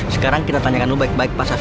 sekarang kita tanyakan lo baik baik pak safe